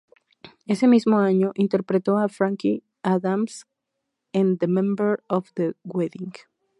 Ese mismo año, interpretó a Frankie Addams en "The Member of the Wedding".